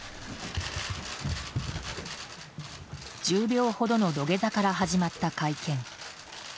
１０秒ほどの土下座から始まった会見。